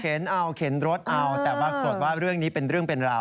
เอาเข็นรถเอาแต่ปรากฏว่าเรื่องนี้เป็นเรื่องเป็นราว